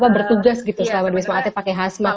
bertugas gitu selama duit semangatnya pakai hazmat